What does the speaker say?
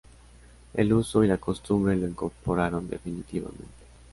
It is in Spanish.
El uso y la costumbre lo incorporaron definitivamente.